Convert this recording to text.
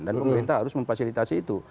dan pemerintah harus memfasilitasi itu